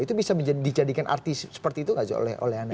itu bisa dijadikan arti seperti itu nggak oleh anda